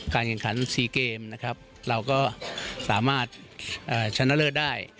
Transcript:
การกันขันซีเกมนะครับเราก็สามารถชนะเลอร์ได้